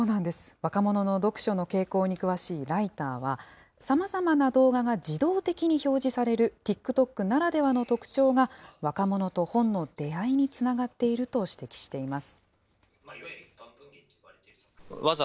若者の読書の傾向に詳しいライターは、さまざまな動画が自動的に表示されるＴｉｋＴｏｋならではの特徴が若者と本の出会いにつながっていると指摘しています。